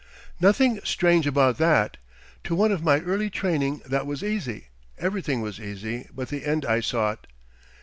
"Nothing strange about that. To one of my early training that was easy everything was easy but the end I sought....